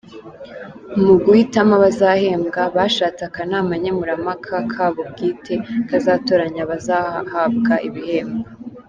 Mu guhitamo abazahembwa, bashatse akanama nkemurampaka kabo bwite kazatoranya abazahabwa ibihembo.